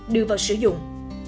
đưa vào sử dụng